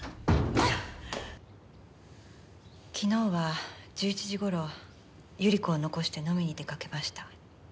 昨日は１１時頃百合子を残して飲みに出かけました。